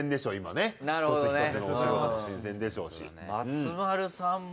一つ一つのお仕事も新鮮でしょうし。